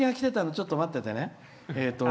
ちょっと待っててね。